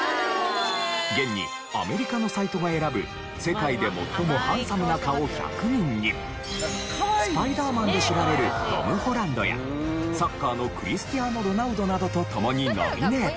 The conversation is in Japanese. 現にアメリカのサイトが選ぶ「世界で最もハンサムな顔１００人」に『スパイダーマン』で知られるトム・ホランドやサッカーのクリスティアーノ・ロナウドなどと共にノミネート。